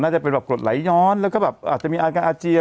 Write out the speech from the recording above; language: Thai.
จะเป็นแบบกดไหลย้อนแล้วก็แบบอาจจะมีอาการอาเจียน